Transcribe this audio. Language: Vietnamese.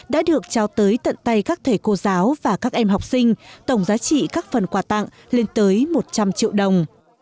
đã được trao tới tận tay các thầy cô giáo và các em học sinh tổng giá trị các phần quà tặng lên tới một trăm linh triệu đồng